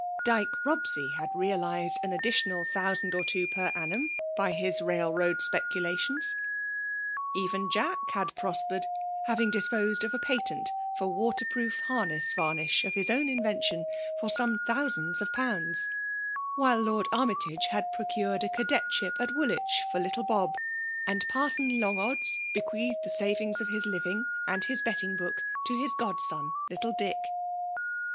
Dyke Bobsey had realized as additional thousand or two per amnim by his rail road speculations ; even^ Jack had pros^ pered^ — Shaving disposed of a patent for a ws teipioof hamess vamish of his awn inventie«, for some thousands of pounds; — ^^^le Lord Armytage had procured^ a cadetship at Wool^ i^h for little Bobi and P^^rson Longodds be* qneathed the savings of his living and his IffiBiAIiK DOMINATION* 3S3t ingrbook to hisgodAon, little Dkk.